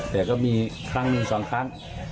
แต่ก็มีครั้งหนึ่งสองครั้ง